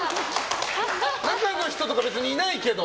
中の人とか別にいないけど。